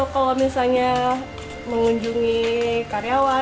kalau misalnya mengunjungi karyawan